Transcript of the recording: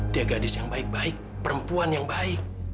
dia gadis yang baik baik perempuan yang baik